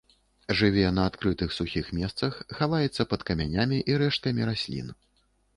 Жыве на адкрытых сухіх месцах, хаваецца пад камянямі і рэшткамі раслін.